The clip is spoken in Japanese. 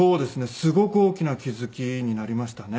すごく大きな気付きになりましたね。